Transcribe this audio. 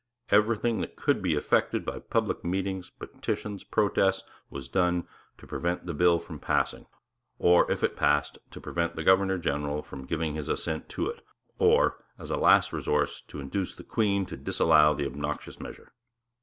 Everything that could be effected by public meetings, petitions, protests, was done to prevent the bill from passing, or, if it passed, to prevent the governor general from giving his assent to it, or, as a last resource, to induce the Queen to disallow the obnoxious measure.